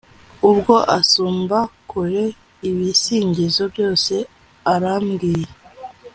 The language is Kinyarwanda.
ubwo asumba kure ibisingizo byose arabwiye